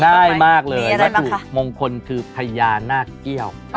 น่ามากเลยบีอะไรมาคะวัตถุมงคลคือพายานาเกี่ยว